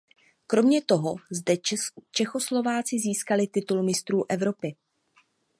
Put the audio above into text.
Kromě toho zde Čechoslováci získali titul mistrů Evropy.